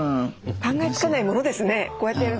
考えつかないものですね。